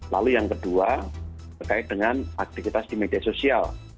lalu yang kedua berkait dengan aktivitas di media sosial